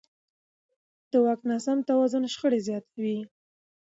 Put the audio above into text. د واک ناسم توازن شخړې زیاتوي